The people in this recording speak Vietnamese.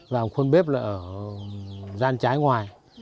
và một khuôn bếp ở gian trái ngoài